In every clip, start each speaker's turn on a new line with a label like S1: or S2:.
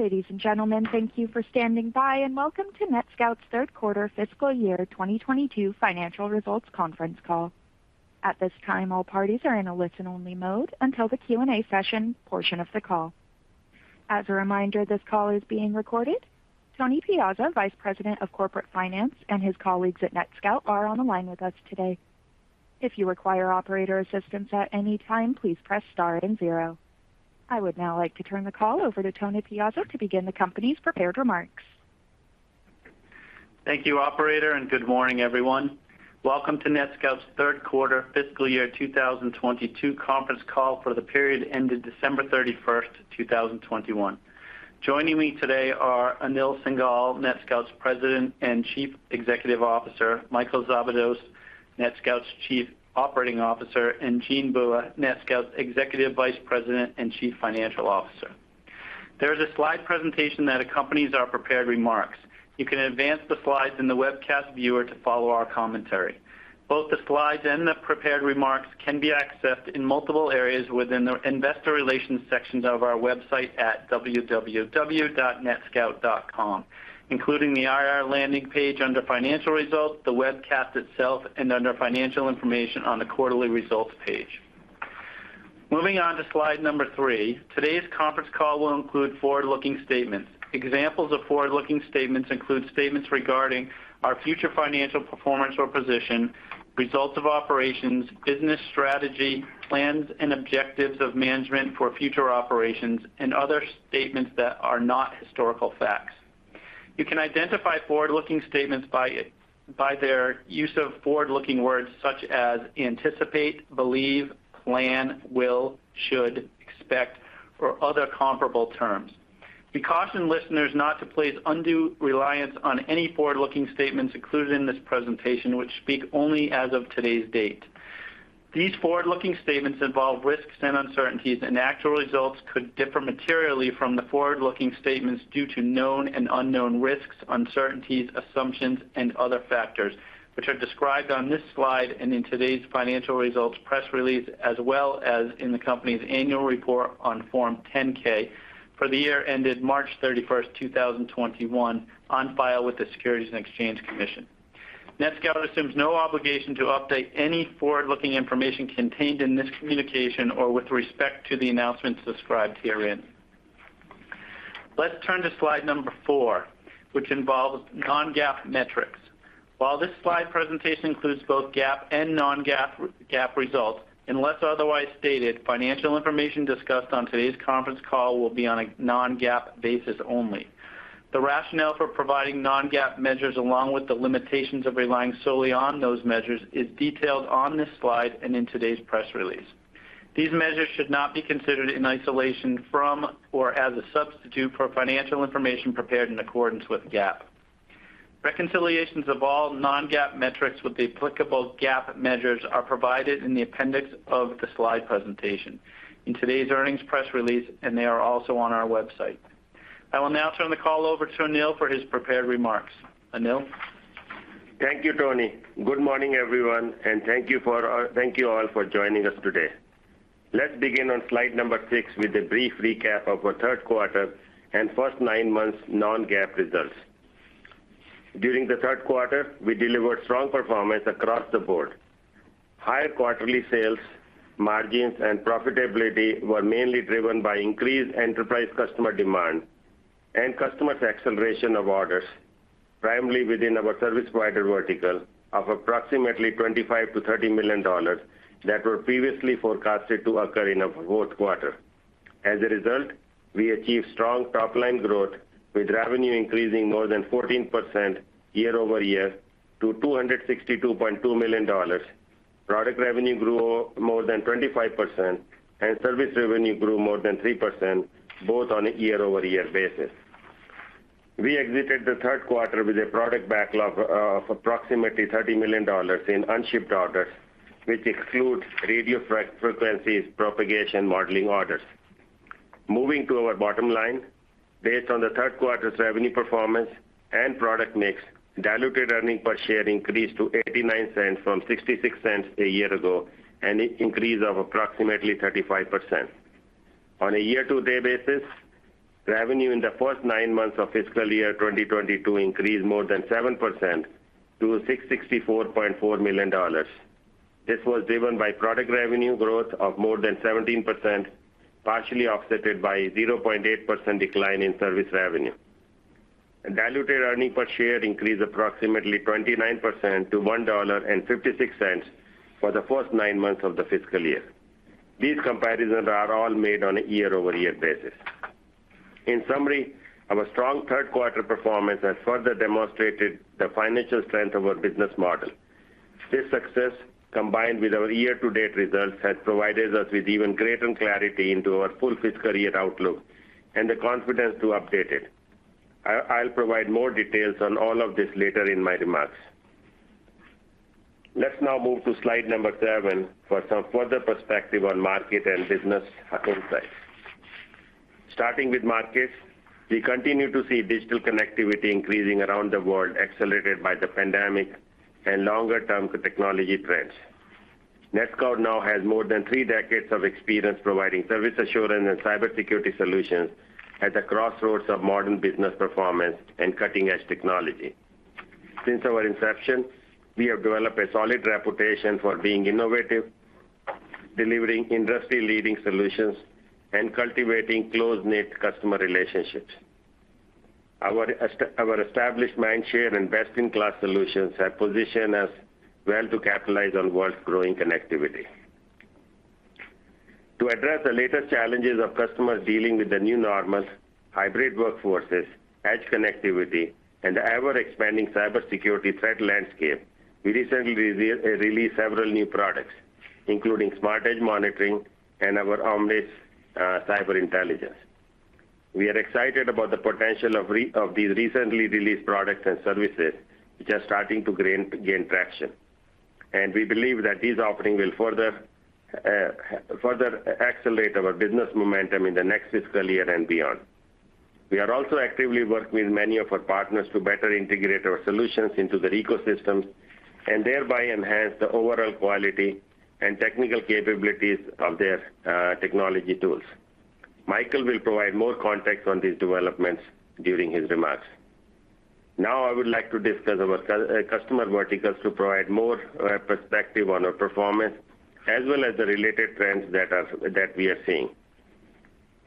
S1: Ladies and gentlemen, thank you for standing by, and welcome to NETSCOUT's third quarter fiscal year 2022 financial results conference call. At this time, all parties are in a listen-only mode until the Q&A session portion of the call. As a reminder, this call is being recorded. Tony Piazza, Vice President of Corporate Finance, and his colleagues at NETSCOUT are on the line with us today. If you require operator assistance at any time, please press star and zero. I would now like to turn the call over to Tony Piazza to begin the company's prepared remarks.
S2: Thank you, operator, and good morning, everyone. Welcome to NETSCOUT's third quarter fiscal year 2022 conference call for the period ended December 31st, 2021. Joining me today are Anil Singhal, NETSCOUT's President and Chief Executive Officer, Michael Szabados, NETSCOUT's Chief Operating Officer, and Jean Bua, NETSCOUT's Executive Vice President and Chief Financial Officer. There is a slide presentation that accompanies our prepared remarks. You can advance the slides in the webcast viewer to follow our commentary. Both the slides and the prepared remarks can be accessed in multiple areas within the investor relations sections of our website at www.netscout.com, including the IR landing page under Financial Results, the webcast itself, and under Financial Information on the quarterly results page. Moving on to slide number three, today's conference call will include forward-looking statements. Examples of forward-looking statements include statements regarding our future financial performance or position, results of operations, business strategy, plans and objectives of management for future operations, and other statements that are not historical facts. You can identify forward-looking statements by their use of forward-looking words such as anticipate, believe, plan, will, should, expect, or other comparable terms. We caution listeners not to place undue reliance on any forward-looking statements included in this presentation, which speak only as of today's date. These forward-looking statements involve risks and uncertainties, and actual results could differ materially from the forward-looking statements due to known and unknown risks, uncertainties, assumptions, and other factors, which are described on this slide and in today's financial results press release, as well as in the company's annual report on Form 10-K for the year ended March 31st, 2021, on file with the Securities and Exchange Commission. NETSCOUT assumes no obligation to update any forward-looking information contained in this communication or with respect to the announcements described herein. Let's turn to slide number four, which involves non-GAAP metrics. While this slide presentation includes both GAAP and non-GAAP, GAAP results, unless otherwise stated, financial information discussed on today's conference call will be on a non-GAAP basis only. The rationale for providing non-GAAP measures, along with the limitations of relying solely on those measures, is detailed on this slide and in today's press release. These measures should not be considered in isolation from or as a substitute for financial information prepared in accordance with GAAP. Reconciliations of all non-GAAP metrics with the applicable GAAP measures are provided in the appendix of the slide presentation in today's earnings press release, and they are also on our website. I will now turn the call over to Anil for his prepared remarks. Anil?
S3: Thank you, Tony. Good morning, everyone, and thank you all for joining us today. Let's begin on slide number six with a brief recap of our third quarter and first nine months non-GAAP results. During the third quarter, we delivered strong performance across the board. Higher quarterly sales, margins, and profitability were mainly driven by increased enterprise customer demand and customers' acceleration of orders, primarily within our service provider vertical of approximately $25 million-$30 million that were previously forecasted to occur in our fourth quarter. As a result, we achieved strong top-line growth with revenue increasing more than 14% year-over-year to $262.2 million. Product revenue grew more than 25%, and service revenue grew more than 3%, both on a year-over-year basis. We exited the third quarter with a product backlog of approximately $30 million in unshipped orders, which excludes radio frequency propagation modeling orders. Moving to our bottom line, based on the third quarter's revenue performance and product mix, diluted earnings per share increased to $0.89 from $0.66 a year ago, an increase of approximately 35%. On a year-to-date basis, revenue in the first nine months of fiscal year 2022 increased more than 7% to $664.4 million. This was driven by product revenue growth of more than 17%, partially offset by 0.8% decline in service revenue. Diluted earnings per share increased approximately 29% to $1.56 for the first nine months of the fiscal year. These comparisons are all made on a year-over-year basis. In summary, our strong third quarter performance has further demonstrated the financial strength of our business model. This success, combined with our year-to-date results, has provided us with even greater clarity into our full fiscal year outlook and the confidence to update it. I'll provide more details on all of this later in my remarks. Let's now move to slide number seven for some further perspective on market and business insights. Starting with markets, we continue to see digital connectivity increasing around the world, accelerated by the pandemic and longer-term technology trends. NETSCOUT now has more than three decades of experience providing service assurance and cybersecurity solutions at the crossroads of modern business performance and cutting-edge technology. Since our inception, we have developed a solid reputation for being innovative, delivering industry-leading solutions, and cultivating close-knit customer relationships. Our established mind share and best-in-class solutions have positioned us well to capitalize on the world's growing connectivity. To address the latest challenges of customers dealing with the new normal, hybrid workforces, edge connectivity, and ever-expanding cybersecurity threat landscape, we recently released several new products, including Smart Edge Monitoring and our Omnis Cyber Intelligence. We are excited about the potential of these recently released products and services, which are starting to gain traction. We believe that these offerings will further accelerate our business momentum in the next fiscal year and beyond. We are also actively working with many of our partners to better integrate our solutions into their ecosystems, and thereby enhance the overall quality and technical capabilities of their technology tools. Michael will provide more context on these developments during his remarks. Now I would like to discuss our customer verticals to provide more perspective on our performance, as well as the related trends that we are seeing.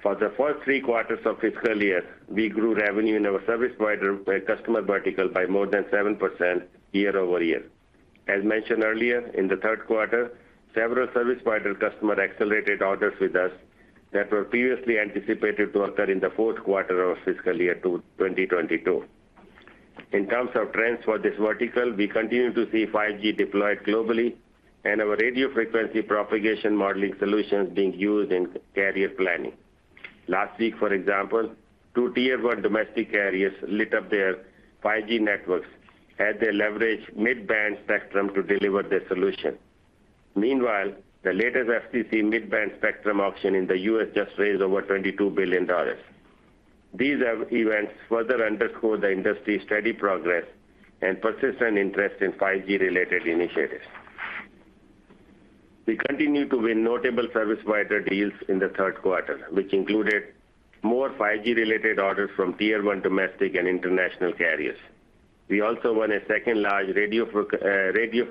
S3: For the first three quarters of fiscal year, we grew revenue in our service provider customer vertical by more than 7% year-over-year. As mentioned earlier, in the third quarter, several service provider customers accelerated orders with us that were previously anticipated to occur in the fourth quarter of fiscal year 2022. In terms of trends for this vertical, we continue to see 5G deployed globally, and our radio frequency propagation modeling solutions being used in carrier planning. Last week, for example, two tier one domestic carriers lit up their 5G networks as they leverage mid-band spectrum to deliver their solution. Meanwhile, the latest FCC mid-band spectrum auction in the U.S. just raised over $22 billion. These events further underscore the industry's steady progress and persistent interest in 5G-related initiatives. We continue to win notable service provider deals in the third quarter, which included more 5G-related orders from tier one domestic and international carriers. We also won a second large radio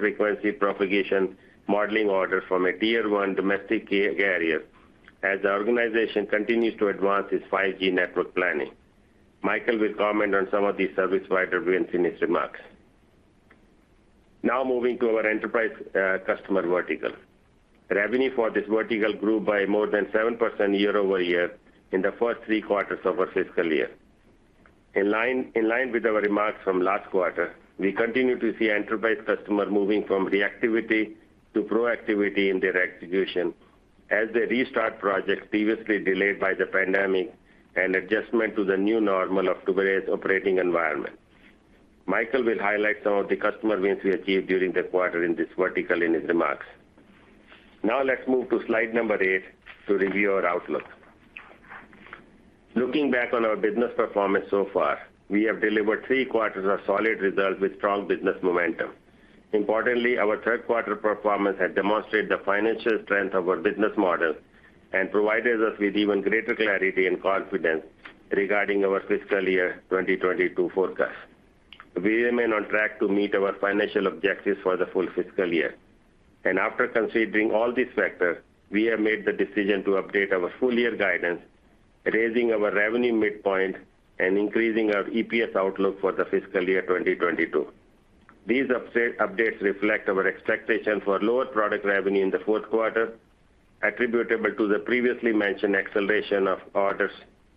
S3: frequency propagation modeling order from a tier one domestic carrier as the organization continues to advance its 5G network planning. Michael will comment on some of these service provider wins in his remarks. Now moving to our enterprise customer vertical. Revenue for this vertical grew by more than 7% year-over-year in the first three quarters of our fiscal year. In line with our remarks from last quarter, we continue to see enterprise customers moving from reactivity to proactivity in their execution as they restart projects previously delayed by the pandemic and adjustment to the new normal of today's operating environment. Michael will highlight some of the customer wins we achieved during the quarter in this vertical in his remarks. Now let's move to slide number eight to review our outlook. Looking back on our business performance so far, we have delivered three quarters of solid results with strong business momentum. Importantly, our third quarter performance has demonstrated the financial strength of our business model and provided us with even greater clarity and confidence regarding our fiscal year 2022 forecast. We remain on track to meet our financial objectives for the full fiscal year. After considering all these factors, we have made the decision to update our full year guidance, raising our revenue midpoint and increasing our EPS outlook for the fiscal year 2022. These updates reflect our expectation for lower product revenue in the fourth quarter, attributable to the previously mentioned acceleration of orders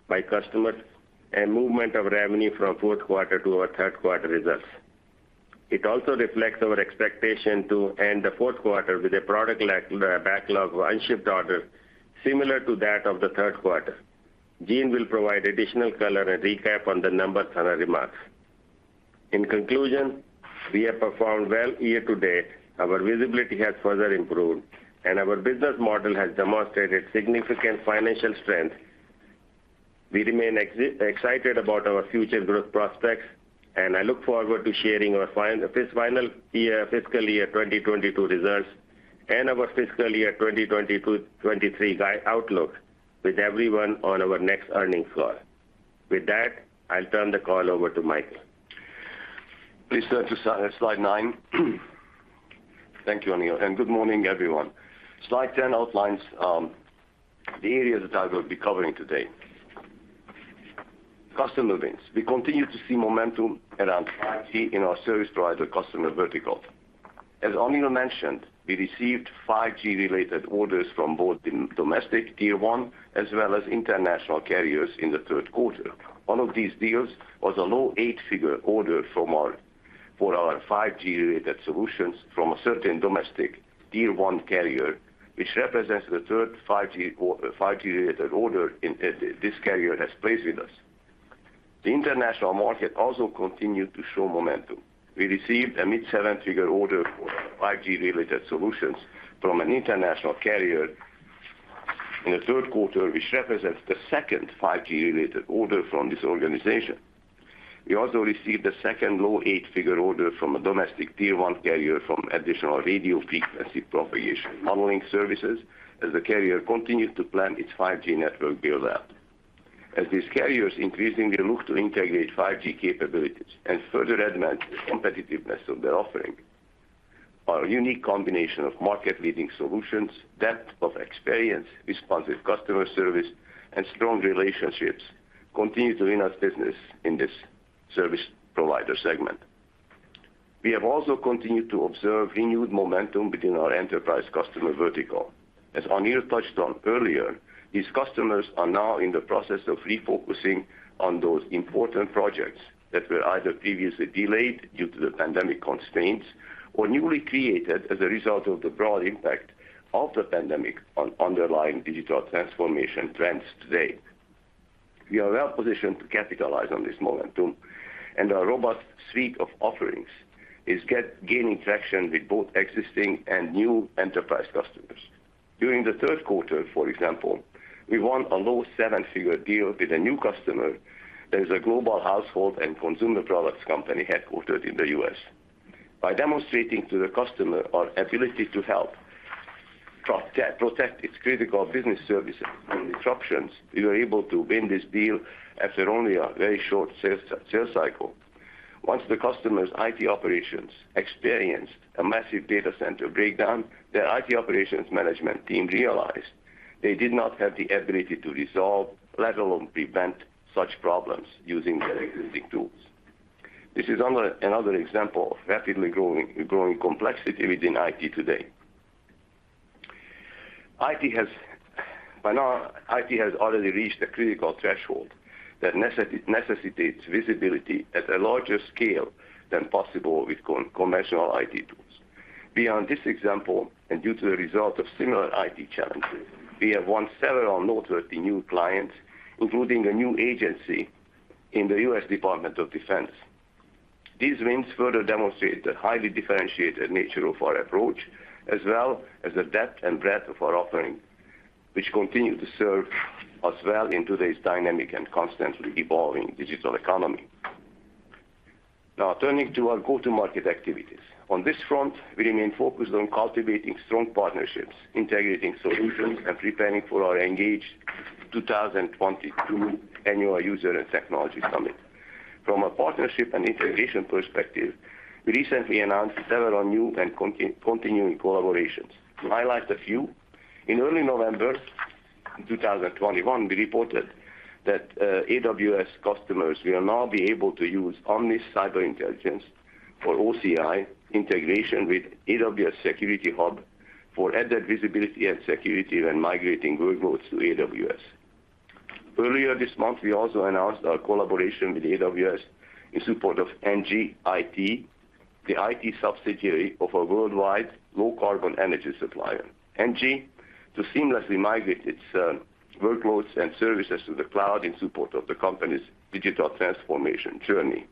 S3: by customers and movement of revenue from fourth quarter to our third quarter results. It also reflects our expectation to end the fourth quarter with a product backlog of unshipped orders similar to that of the third quarter. Jean will provide additional color and recap on the numbers in our remarks. In conclusion, we have performed well year to date. Our visibility has further improved, and our business model has demonstrated significant financial strength. We remain excited about our future growth prospects, and I look forward to sharing our final fiscal year 2022 results and our fiscal year 2022/2023 outlook with everyone on our next earnings call. With that, I'll turn the call over to Michael.
S4: Please turn to slide nine. Thank you, Anil, and good morning, everyone. Slide 10 outlines the areas that I will be covering today. Customer wins. We continue to see momentum around 5G in our service provider customer vertical. As Anil mentioned, we received 5G-related orders from both the domestic tier one as well as international carriers in the third quarter. One of these deals was a low eight-figure order for our 5G-related solutions from a certain domestic tier one carrier, which represents the third 5G-related order this carrier has placed with us. The international market also continued to show momentum. We received a mid-seven-figure order for 5G-related solutions from an international carrier in the third quarter, which represents the second 5G-related order from this organization. We also received the second low eight-figure order from a domestic tier one carrier from additional radio frequency propagation modeling services as the carrier continued to plan its 5G network build out. As these carriers increasingly look to integrate 5G capabilities and further advance the competitiveness of their offering, our unique combination of market leading solutions, depth of experience, responsive customer service, and strong relationships continue to win us business in this service provider segment. We have also continued to observe renewed momentum within our enterprise customer vertical. As Anil touched on earlier, these customers are now in the process of refocusing on those important projects that were either previously delayed due to the pandemic constraints or newly created as a result of the broad impact of the pandemic on underlying digital transformation trends today. We are well positioned to capitalize on this momentum, and our robust suite of offerings is gaining traction with both existing and new enterprise customers. During the third quarter, for example, we won a low seven-figure deal with a new customer that is a global household and consumer products company headquartered in the U.S. By demonstrating to the customer our ability to help protect its critical business services from disruptions, we were able to win this deal after only a very short sales cycle. Once the customer's IT operations experienced a massive data center breakdown, their IT operations management team realized they did not have the ability to resolve, let alone prevent such problems using their existing tools. This is another example of rapidly growing complexity within IT today. IT has already reached a critical threshold that necessitates visibility at a larger scale than possible with conventional IT tools. Beyond this example, and due to the result of similar IT challenges, we have won several noteworthy new clients, including a new agency in the U.S. Department of Defense. These wins further demonstrate the highly differentiated nature of our approach, as well as the depth and breadth of our offering, which continue to serve us well in today's dynamic and constantly evolving digital economy. Now turning to our go-to-market activities. On this front, we remain focused on cultivating strong partnerships, integrating solutions, and preparing for our ENGAGE 2022 Annual User and Technology Summit. From a partnership and integration perspective, we recently announced several new and continuing collaborations. To highlight a few, in early November 2021, we reported that AWS customers will now be able to use Omnis Cyber Intelligence or OCI integration with AWS Security Hub for added visibility and security when migrating workloads to AWS. Earlier this month, we also announced our collaboration with AWS in support of ENGIE IT, the IT subsidiary of a worldwide low carbon energy supplier, ENGIE, to seamlessly migrate its workloads and services to the cloud in support of the company's digital transformation journey.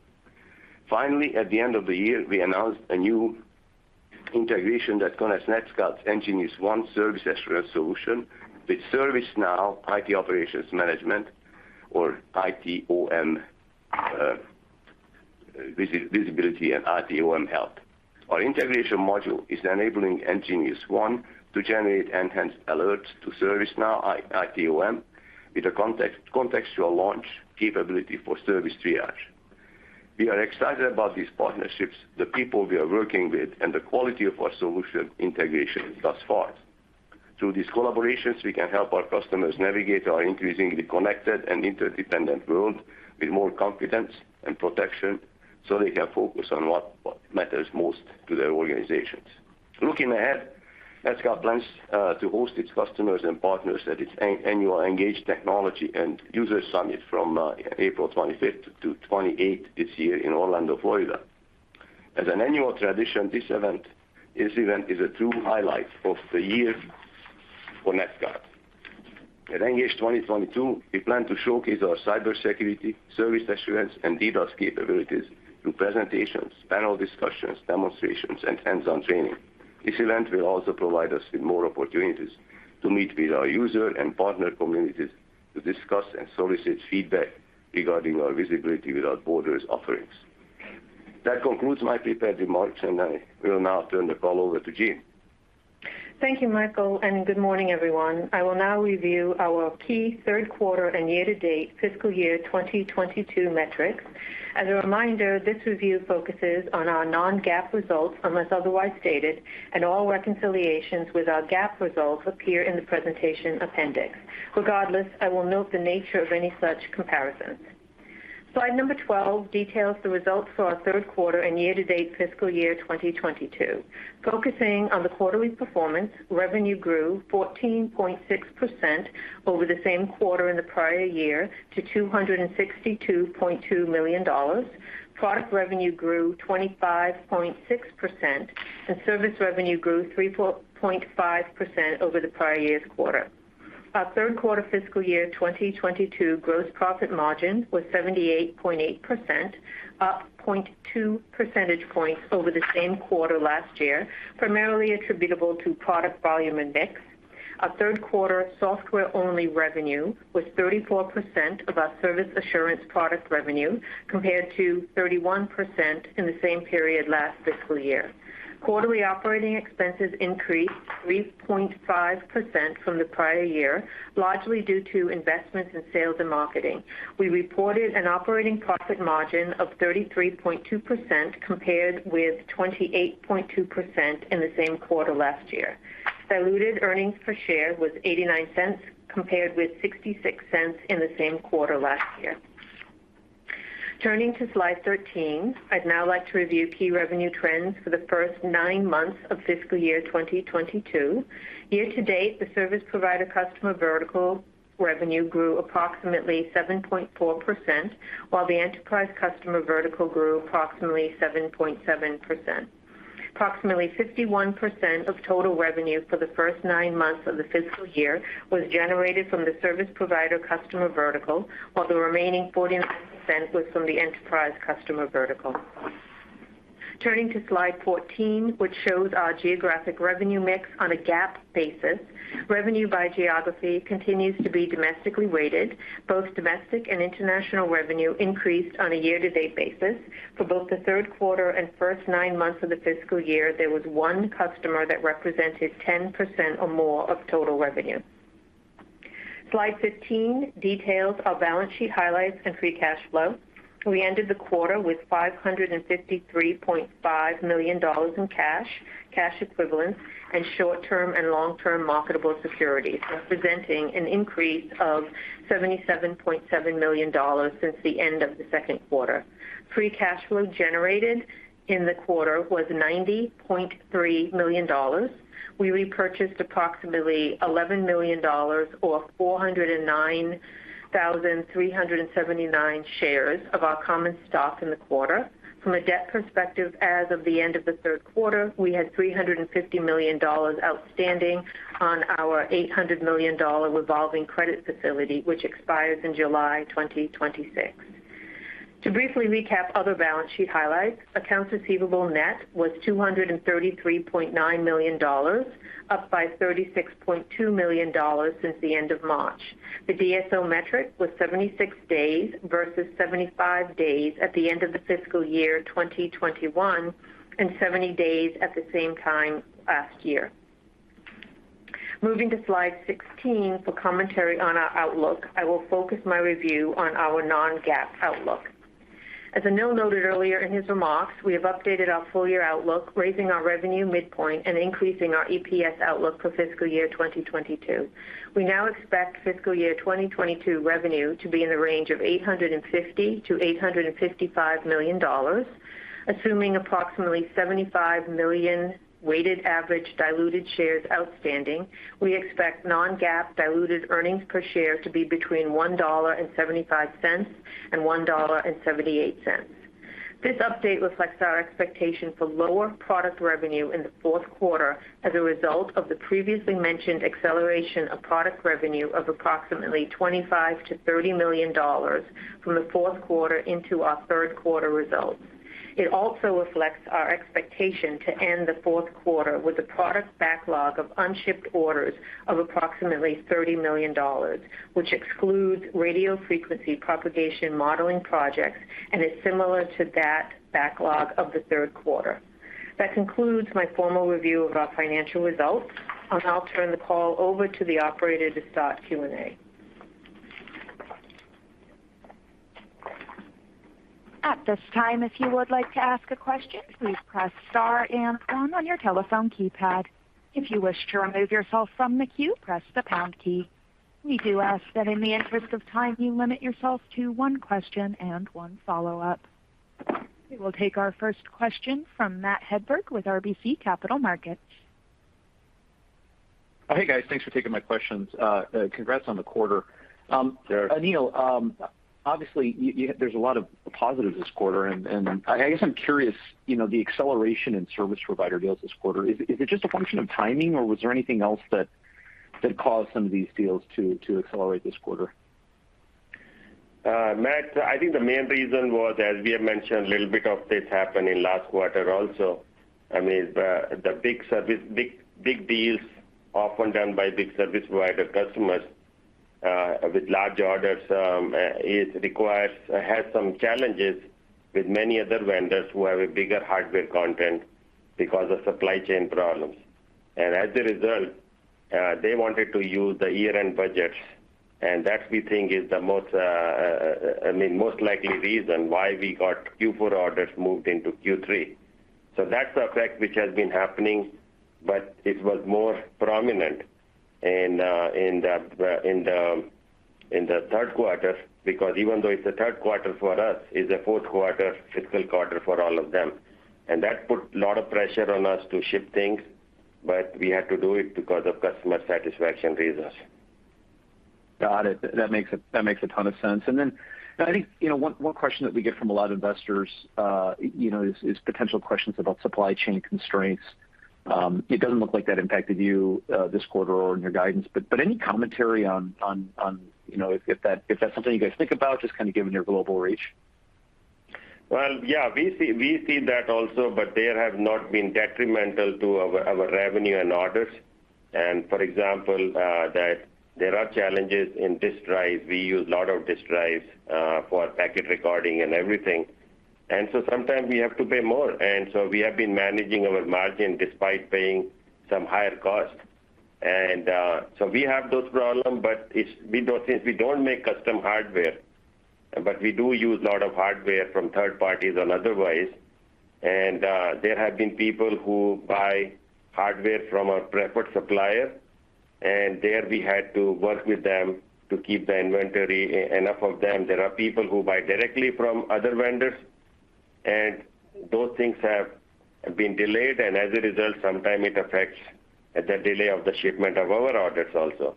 S4: Finally, at the end of the year, we announced a new integration that connects NETSCOUT's nGeniusONE service assurance solution with ServiceNow IT Operations Management or ITOM, visibility and ITOM Health. Our integration module is enabling nGeniusONE to generate enhanced alerts to ServiceNow ITOM with a contextual launch capability for service triage. We are excited about these partnerships, the people we are working with and the quality of our solution integration thus far. Through these collaborations, we can help our customers navigate our increasingly connected and interdependent world with more confidence and protection, so they can focus on what matters most to their organizations. Looking ahead, NETSCOUT plans to host its customers and partners at its annual ENGAGE Technology and User Summit from April 25th-28th this year in Orlando, Florida. As an annual tradition, this event is a true highlight of the year for NETSCOUT. At ENGAGE 2022, we plan to showcase our cybersecurity service assurance and DDoS capabilities through presentations, panel discussions, demonstrations, and hands-on training. This event will also provide us with more opportunities to meet with our user and partner communities to discuss and solicit feedback regarding our Visibility Without Borders offerings. That concludes my prepared remarks, and I will now turn the call over to Jean.
S5: Thank you, Michael, and good morning, everyone. I will now review our key third quarter and year-to-date fiscal year 2022 metrics. As a reminder, this review focuses on our non-GAAP results, unless otherwise stated, and all reconciliations with our GAAP results appear in the presentation appendix. Regardless, I will note the nature of any such comparisons. Slide 12 details the results for our third quarter and year-to-date fiscal year 2022. Focusing on the quarterly performance, revenue grew 14.6% over the same quarter in the prior year to $262.2 million. Product revenue grew 25.6%, and service revenue grew 3.5% over the prior year's quarter. Our third quarter fiscal year 2022 gross profit margin was 78.8%, up 0.2 percentage points over the same quarter last year, primarily attributable to product volume and mix. Our third quarter software-only revenue was 34% of our service assurance product revenue, compared to 31% in the same period last fiscal year. Quarterly operating expenses increased 3.5% from the prior year, largely due to investments in sales and marketing. We reported an operating profit margin of 33.2% compared with 28.2% in the same quarter last year. Diluted earnings per share was $0.89 compared with $0.66 in the same quarter last year. Turning to slide 13, I'd now like to review key revenue trends for the first nine months of fiscal year 2022. Year to date, the service provider customer vertical revenue grew approximately 7.4%, while the enterprise customer vertical grew approximately 7.7%. Approximately 51% of total revenue for the first nine months of the fiscal year was generated from the service provider customer vertical, while the remaining 49% was from the enterprise customer vertical. Turning to slide 14, which shows our geographic revenue mix on a GAAP basis. Revenue by geography continues to be domestically weighted. Both domestic and international revenue increased on a year-to-date basis. For both the third quarter and first nine months of the fiscal year, there was one customer that represented 10% or more of total revenue. Slide 15 details our balance sheet highlights and free cash flow. We ended the quarter with $553.5 million in cash equivalents, and short-term and long-term marketable securities, representing an increase of $77.7 million since the end of the second quarter. Free cash flow generated in the quarter was $90.3 million. We repurchased approximately $11 million or 409,379 shares of our common stock in the quarter. From a debt perspective, as of the end of the third quarter, we had $350 million outstanding on our $800 million revolving credit facility, which expires in July 2026. To briefly recap other balance sheet highlights, accounts receivable net was $233.9 million, up by $36.2 million since the end of March. The DSO metric was 76 days versus 75 days at the end of the fiscal year 2021, and 70 days at the same time last year. Moving to slide 16 for commentary on our outlook, I will focus my review on our non-GAAP outlook. As Anil noted earlier in his remarks, we have updated our full year outlook, raising our revenue midpoint and increasing our EPS outlook for fiscal year 2022. We now expect fiscal year 2022 revenue to be in the range of $850 million-$855 million. Assuming approximately 75 million weighted average diluted shares outstanding, we expect non-GAAP diluted earnings per share to be between $1.75 and $1.78. This update reflects our expectation for lower product revenue in the fourth quarter as a result of the previously mentioned acceleration of product revenue of approximately $25 million-$30 million from the fourth quarter into our third quarter results. It also reflects our expectation to end the fourth quarter with a product backlog of unshipped orders of approximately $30 million, which excludes radio frequency propagation modeling projects and is similar to that backlog of the third quarter. That concludes my formal review of our financial results. I'll now turn the call over to the operator to start Q&A.
S1: At this time, if you would like to ask a question, please press star and one on your telephone keypad. If you wish to remove yourself from the queue, press the pound key. We do ask that in the interest of time, you limit yourself to one question and one follow-up. We will take our first question from Matt Hedberg with RBC Capital Markets.
S6: Hey, guys. Thanks for taking my questions. Congrats on the quarter.
S3: Sure.
S6: Anil, obviously, there's a lot of positives this quarter, and I guess I'm curious, you know, the acceleration in service provider deals this quarter, is it just a function of timing, or was there anything else that caused some of these deals to accelerate this quarter?
S3: Matt, I think the main reason was, as we have mentioned, a little bit of this happened in last quarter also. I mean, the big deals often done by big service provider customers with large orders has some challenges with many other vendors who have a bigger hardware content because of supply chain problems. As a result, they wanted to use the year-end budgets, and that we think is the most, I mean, most likely reason why we got Q4 orders moved into Q3. That's a fact which has been happening, but it was more prominent in the third quarter, because even though it's the third quarter for us, it's a fourth quarter fiscal quarter for all of them. That put a lot of pressure on us to ship things, but we had to do it because of customer satisfaction reasons.
S6: Got it. That makes a ton of sense. Then I think, you know, one question that we get from a lot of investors is potential questions about supply chain constraints. It doesn't look like that impacted you this quarter or in your guidance, but any commentary on, you know, if that's something you guys think about, just kind of given your global reach?
S3: Well, yeah, we see that also, but they have not been detrimental to our revenue and orders. For example, there are challenges in disk drives. We use a lot of disk drives for packet recording and everything. Sometimes we have to pay more. We have been managing our margin despite paying some higher costs. We have those problems, but we don't make custom hardware, but we do use a lot of hardware from third parties and otherwise. There have been people who buy hardware from a preferred supplier, and there we had to work with them to keep enough of them. There are people who buy directly from other vendors, and those things have been delayed. As a result, sometimes it affects the delay of the shipment of our orders also.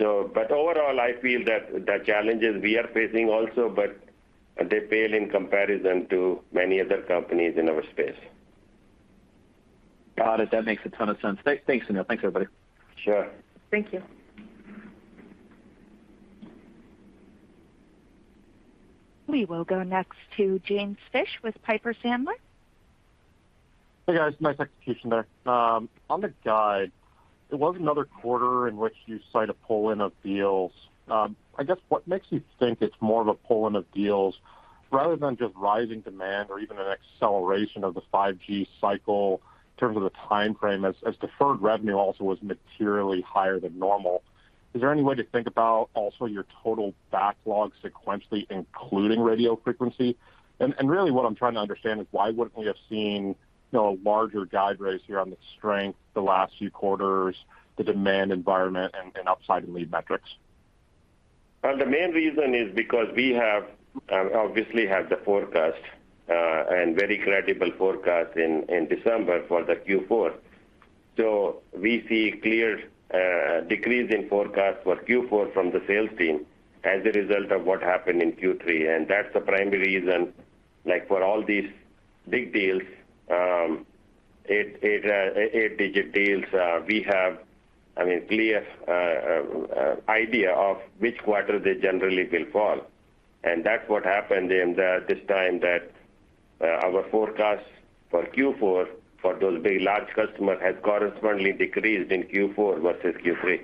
S3: Overall, I feel that the challenges we are facing also, but they pale in comparison to many other companies in our space.
S6: Got it. That makes a ton of sense. Thanks, Anil. Thanks, everybody.
S3: Sure.
S5: Thank you.
S1: We will go next to James Fish with Piper Sandler.
S7: Hey, guys. Nice execution there. On the guide, it was another quarter in which you cite a pull-in of deals. I guess what makes you think it's more of a pull-in of deals rather than just rising demand or even an acceleration of the 5G cycle in terms of the timeframe as deferred revenue also was materially higher than normal. Is there any way to think about also your total backlog sequentially, including radio frequency? Really what I'm trying to understand is why wouldn't we have seen, you know, a larger guide raise here on the strength the last few quarters, the demand environment and upside in lead metrics?
S3: Well, the main reason is because we have the forecast and very credible forecast in December for the Q4. We see clear decrease in forecast for Q4 from the sales team as a result of what happened in Q3. That's the primary reason, like, for all these big deals, eight-digit deals, we have, I mean, clear idea of which quarter they generally will fall. That's what happened this time that our forecast for Q4 for those very large customers has correspondingly decreased in Q4 versus Q3.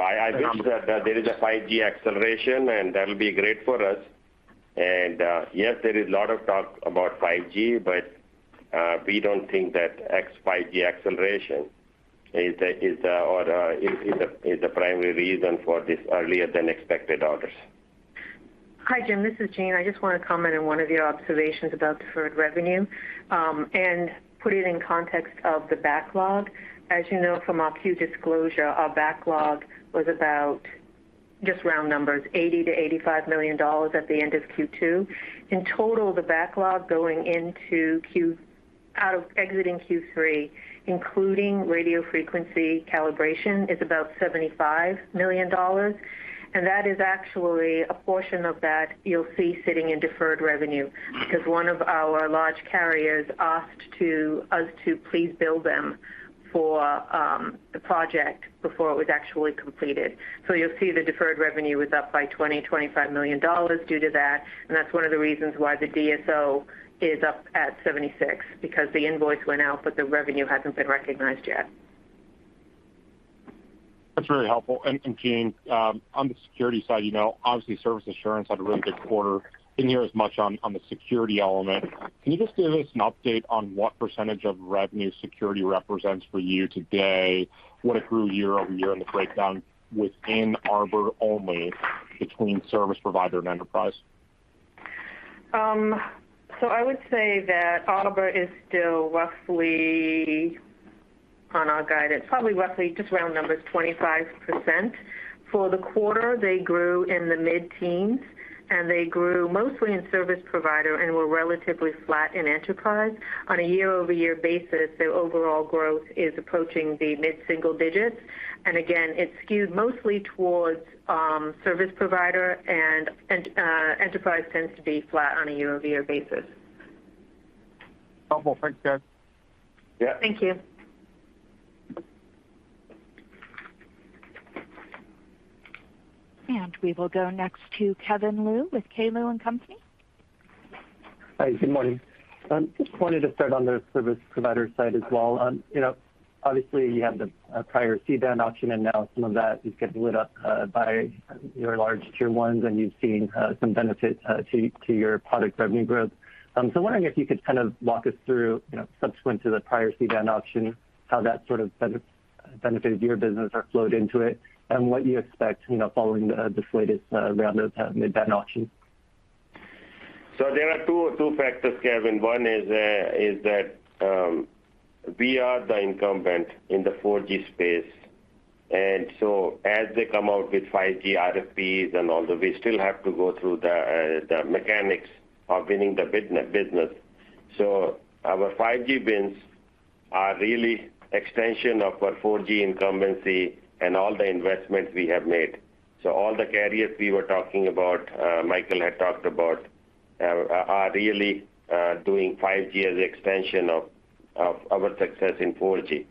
S3: I wish that there is a 5G acceleration, and that'll be great for us. Yes, there is a lot of talk about 5G, but we don't think that ex-5G acceleration is the primary reason for this earlier than expected orders.
S5: Hi, James, this is Jean. I just want to comment on one of your observations about deferred revenue and put it in context of the backlog. As you know from our Q disclosure, our backlog was about, just round numbers, $80-$85 million at the end of Q2. In total, the backlog exiting Q3, including radio frequency calibration, is about $75 million. That is actually a portion of that you'll see sitting in deferred revenue, because one of our large carriers asked to us to please bill them for the project before it was actually completed. You'll see the deferred revenue is up by $20 million-$25 million due to that, and that's one of the reasons why the DSO is up at 76, because the invoice went out, but the revenue hasn't been recognized yet.
S7: That's very helpful. Jean, on the security side, you know, obviously service assurance had a really good quarter. Didn't hear as much on the security element. Can you just give us an update on what percentage of revenue security represents for you today? What it grew year-over-year and the breakdown within Arbor only between service provider and enterprise?
S5: I would say that Arbor is still roughly on our guidance, probably roughly just round numbers, 25%. For the quarter, they grew in the mid-teens, and they grew mostly in service provider and were relatively flat in enterprise. On a year-over-year basis, their overall growth is approaching the mid-single digits. It's skewed mostly towards service provider, and enterprise tends to be flat on a year-over-year basis.
S7: Helpful. Thanks, guys.
S3: Yeah.
S5: Thank you.
S1: We will go next to Kevin Liu with K. Liu & Company.
S8: Hi, good morning. I just wanted to start on the service provider side as well. You know, obviously you had the prior C-band auction and now some of that is getting lit up by your large Tier 1s, and you've seen some benefit to your product revenue growth. Wondering if you could kind of walk us through, you know, subsequent to the prior C-band auction, how that sort of benefited your business or flowed into it and what you expect, you know, following the latest round of mid-band auction.
S3: There are two factors, Kevin. One is that we are the incumbent in the 4G space, and so as they come out with 5G RFPs and all that, we still have to go through the mechanics of winning the bidding business. Our 5G bids are really extension of our 4G incumbency and all the investments we have made. All the carriers we were talking about, Michael had talked about, are really doing 5G as an extension of our success in 4G.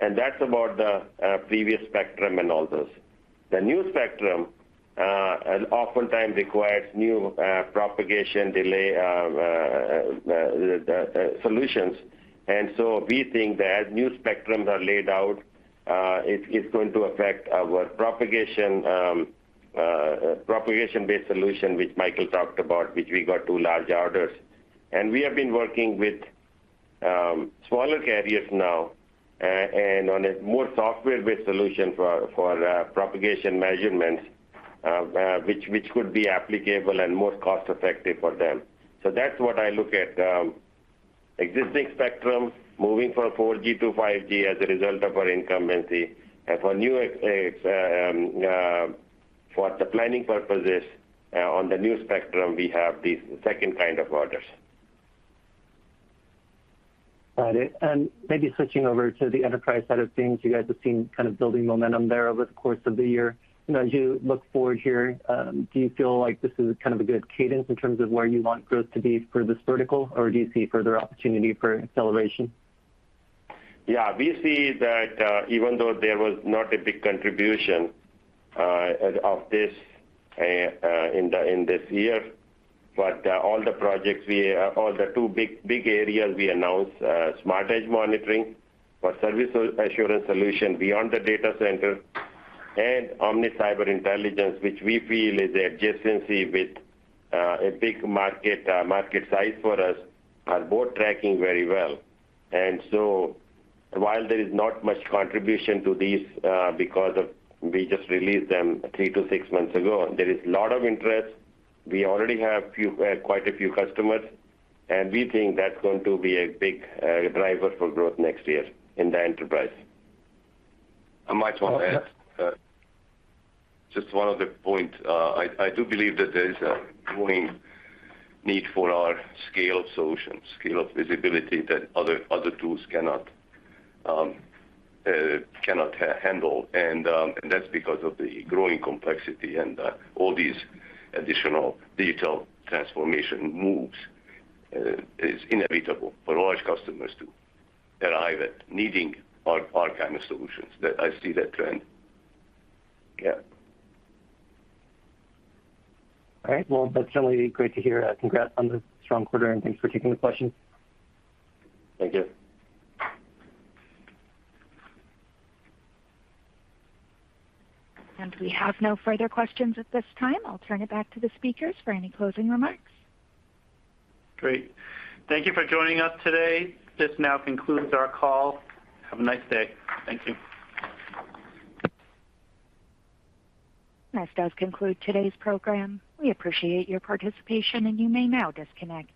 S3: That's about the previous spectrum and all this. The new spectrum oftentimes requires new propagation modeling solutions. We think that as new spectrums are laid out, it's going to affect our propagation-based solution, which Michael talked about, which we got two large orders. We have been working with smaller carriers now and on a more software-based solution for propagation measurements, which could be applicable and more cost effective for them. That's what I look at, existing spectrum moving from 4G to 5G as a result of our RNC and C. For the planning purposes on the new spectrum, we have these second kind of orders.
S8: Got it. Maybe switching over to the enterprise side of things, you guys have seen kind of building momentum there over the course of the year. You know, as you look forward here, do you feel like this is kind of a good cadence in terms of where you want growth to be for this vertical? Or do you see further opportunity for acceleration?
S3: Yeah, we see that, even though there was not a big contribution of this in this year, but the two big areas we announced, Smart Edge Monitoring for service assurance solution beyond the data center, and Omnis Cyber Intelligence, which we feel is the adjacency with a big market size for us, are both tracking very well. While there is not much contribution to these because of we just released them three months-six months ago, there is a lot of interest. We already have quite a few customers, and we think that's going to be a big driver for growth next year in the enterprise.
S4: I might want to add just one other point. I do believe that there is a growing need for our scale solutions, scale of visibility that other tools cannot handle. That's because of the growing complexity and all these additional digital transformation moves is inevitable for large customers to arrive at needing our kind of solutions. That I see that trend.
S3: Yeah.
S8: All right. Well, that's certainly great to hear. Congrats on the strong quarter, and thanks for taking the questions.
S3: Thank you.
S1: We have no further questions at this time. I'll turn it back to the speakers for any closing remarks.
S2: Great. Thank you for joining us today. This now concludes our call. Have a nice day. Thank you.
S1: This does conclude today's program. We appreciate your participation, and you may now disconnect.